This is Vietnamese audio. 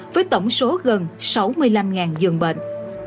với tổng số gần sáu mươi năm dường bệnh